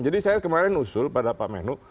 jadi saya kemarin usul pada pak menuh